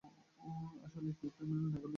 আসলে, Hugh criminal নেগলিজেন্সে বিশেষজ্ঞ।